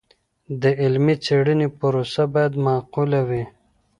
د علمي څیړني پروسه باید معقوله وي.